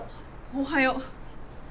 おはよう